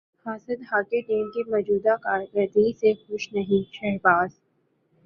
حاسد hockey team کی موجودہ کارکردگی سے خوش نہیں شہباز